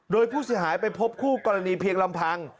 โดยผู้เสียหายไปพบคู่กรณีเพียงลำพัง